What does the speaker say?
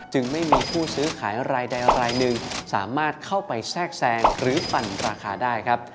จึงไม่มีผู้ซื้อขายรายใดรายหนึ่งสามารถเข้าไปแทรกแซงหรือปั่นราคาได้ครับ